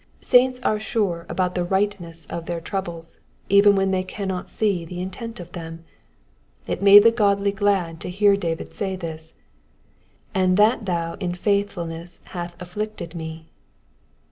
Saints are sure about the rightness of their troubles, even when they cannot see the intent of them. It made the godly glad to hear David say this, ^^Ajid that thou in faithfulness hast afflicted ♦?!«."